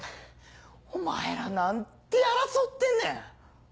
お前ら何で争ってんねん！